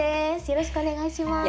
よろしくお願いします。